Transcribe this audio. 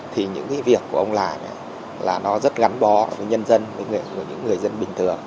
thì những cái việc của ông là nó rất gắn bó với nhân dân với những người dân bình thường